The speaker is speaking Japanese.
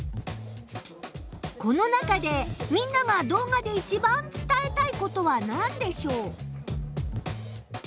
この中でみんなが動画でいちばん伝えたいことはなんでしょう？